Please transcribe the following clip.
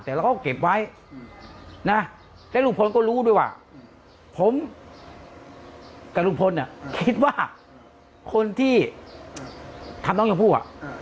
แต่เราก็เก็บไว้นะและลุงพลก็รู้ด้วยว่าผมกับลุงพลคิดว่าคนที่ทำน้องชมพู่